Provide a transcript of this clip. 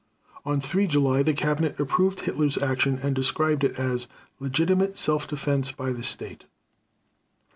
On 3 July the Cabinet approved Hitler's action and described it as "legitimate self defense by the State."